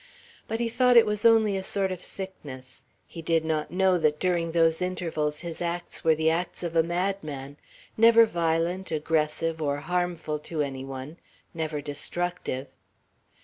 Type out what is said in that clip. But he thought it was only a sort of sickness; he did not know that during those intervals his acts were the acts of a madman; never violent, aggressive, or harmful to any one; never destructive.